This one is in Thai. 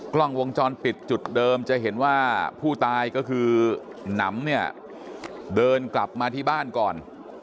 กล้องวงจรปิดจุดเดิมจะเห็นว่าผู้ตายก็คือหนำเนี่ยเดินกลับมาที่บ้านก่อน